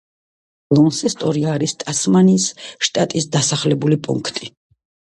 ლონსესტონი არის ტასმანიის შტატის დასახლებული პუნქტი.